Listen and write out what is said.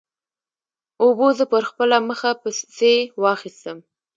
اوبو زه پر خپله مخه پسې واخیستم.